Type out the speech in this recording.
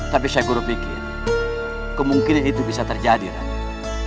tapi syekh guru pikir kemungkinan itu bisa terjadi raden